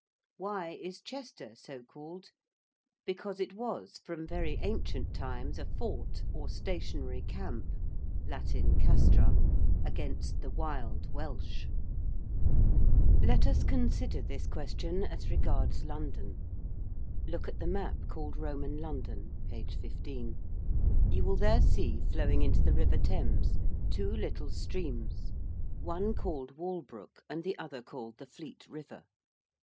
Why is Chester so called? Because it was from very ancient times a fort, or stationary camp (L. castra), against the wild Welsh. [Illustration: EARLY BRITISH POTTERY.] Let us consider this question as regards London. Look at the map called 'Roman London' (p. 15). You will there see flowing into the river Thames two little streams, one called Walbrook, and the other called the Fleet River.